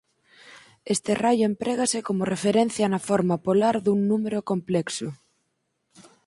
Este raio emprégase como referencia na forma polar dun número complexo.